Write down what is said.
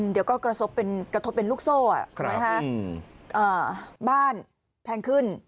เดี๋ยวก็กระทบเป็นลูกโซ่บ้านแพงขึ้น